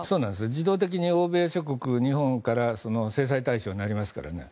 自動的に欧米諸国や日本から制裁対象になりますからね。